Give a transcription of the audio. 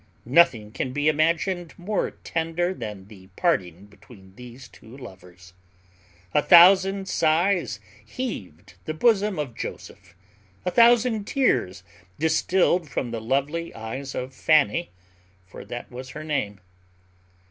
Nothing can be imagined more tender than was the parting between these two lovers. A thousand sighs heaved the bosom of Joseph, a thousand tears distilled from the lovely eyes of Fanny (for that was her name).